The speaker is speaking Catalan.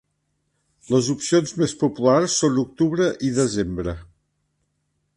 Les opcions més populars són octubre i desembre.